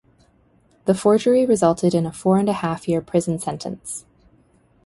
The forgery resulted in a four-and-half year prison sentence.